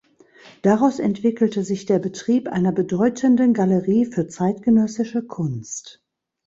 Daraus entwickelte sich der Betrieb einer bedeutenden Galerie für zeitgenössische Kunst.